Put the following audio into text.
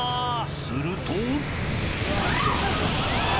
［すると］